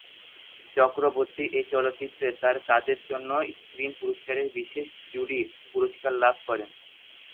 চক্রবর্তী এই চলচ্চিত্রে তার কাজের জন্য স্ক্রিন পুরস্কারের বিশেষ জুরি পুরস্কার লাভ করেন।